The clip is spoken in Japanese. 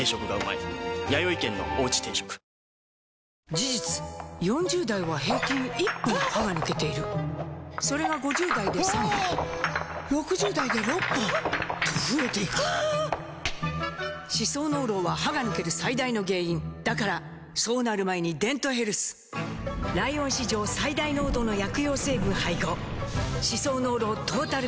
事実４０代は平均１本歯が抜けているそれが５０代で３本６０代で６本と増えていく歯槽膿漏は歯が抜ける最大の原因だからそうなる前に「デントヘルス」ライオン史上最大濃度の薬用成分配合歯槽膿漏トータルケア！